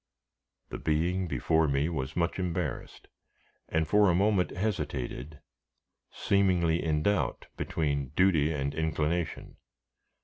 The being before me was much embarrassed, and for a moment hesitated, seemingly in doubt between duty and inclination.